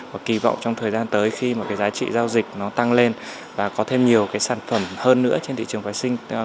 và kì vọng trong thời gian tới khi mà giá trị giao dịch nó tăng lên và có thêm nhiều sản phẩm hơn nữa trên thị trường phái sinh